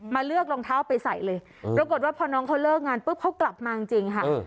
เลือกรองเท้าไปใส่เลยปรากฏว่าพอน้องเขาเลิกงานปุ๊บเขากลับมาจริงค่ะ